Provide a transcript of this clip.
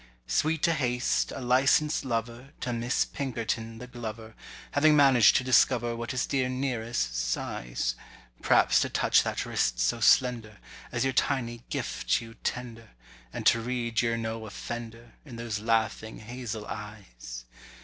Sweet to haste, a licensed lover, to Miss Pinkerton the glover, Having managed to discover what is dear Neæra's "size": P'raps to touch that wrist so slender, as your tiny gift you tender, And to read you're no offender, in those laughing hazel eyes.